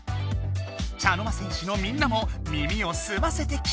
茶の間戦士のみんなも耳をすませて聞いてみて！